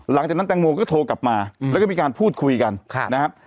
หลังจากนั้นแตงโมก็โทรกลับมาแล้วก็มีการพูดคุยกันนะครับ